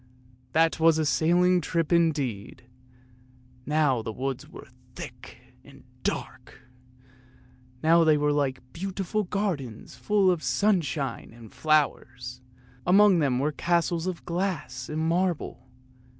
That was a sailing trip indeed! Now the woods were thick and dark, now they were like beautiful gardens full of sunshine and flowers, and among them were castles of glass and marble.